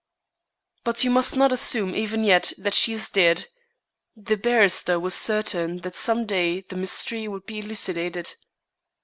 "But you must not assume even yet that she is dead." The barrister was certain that some day the mystery would be elucidated.